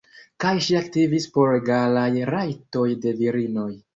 Kaj ŝi aktivis por egalaj rajtoj de virinoj.